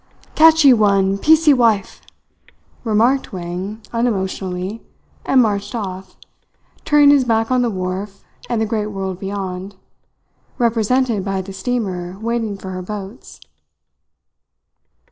"Catchee one piecee wife," remarked Wang unemotionally, and marched off, turning his back on the wharf and the great world beyond, represented by the steamer waiting for her boats.